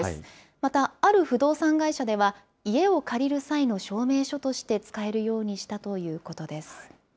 またある不動産会社では、家を借りる際の証明書として使えるようにしたということです。